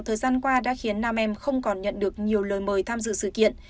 thời gian qua đã khiến nam em không còn nhận được nhiều lời mời tham dự sự kiện